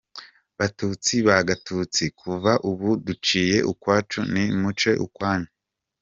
Batutsi ba Gatutsi, kuva ubu duciye ukwacu, nimuce ukwanyu.